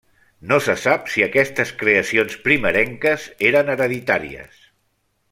No se sap si aquestes creacions primerenques eren hereditàries.